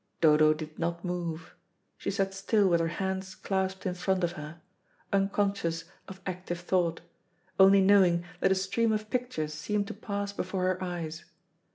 Dodo did not move. She sat still with her hands clasped in front of her, unconscious of active thought, only knowing that a stream of pictures seemed to pass before her eyes.